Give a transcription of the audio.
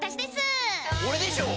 俺でしょう。